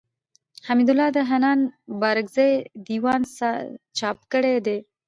حمدالله د حنان بارکزي دېوان څاپ کړی دﺉ.